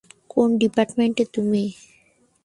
কোন ডিপার্টমেন্টে তুমি?